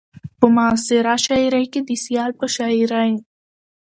په معاصره شاعرۍ کې د سيال په شاعرۍ